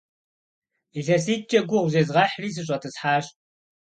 ИлъэситӀкӀэ гугъу зезгъэхьри, сыщӀэтӀысхьащ.